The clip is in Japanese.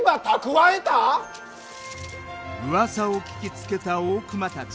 うわさを聞きつけた大隈たち。